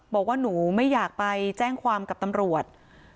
บอกว่าหนูไม่อยากไปแจ้งความกับตำรวจ